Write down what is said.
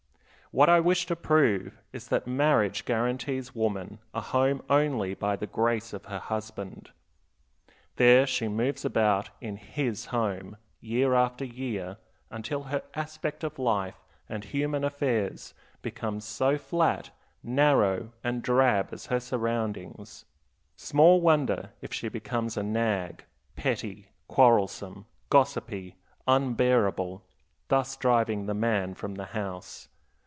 What I wish to prove is that marriage guarantees woman a home only by the grace of her husband. There she moves about in his home, year after year, until her aspect of life and human affairs becomes as flat, narrow, and drab as her surroundings. Small wonder if she becomes a nag, petty, quarrelsome, gossipy, unbearable, thus driving the man from the house.